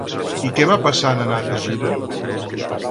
I què va passar en anar a Tegira?